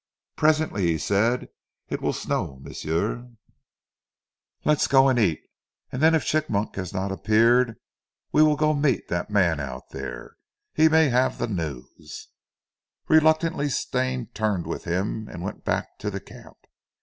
"Presently," he said, "it weel snow, m'sieu. Let us go and eat, then eef Chigmok has not appeared we weel go meet dat man out dere. He may haf zee news." Reluctantly Stane turned with him, and went back to the camp.